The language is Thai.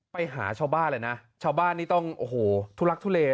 ไปหาชาวบ้านเลยนะชาวบ้านนี่ต้องโอ้โหทุลักทุเล